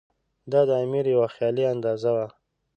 دا د امیر یوه خیالي اندازه وه.